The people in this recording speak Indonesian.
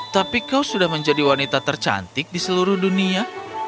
tapi kau sudah menjadi wanita tercantik di seluruh dunia